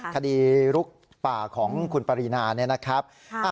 คดีลูกฝ่าของคุณปารีนานะครับ